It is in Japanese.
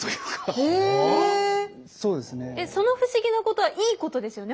その不思議なことはいいことですよね？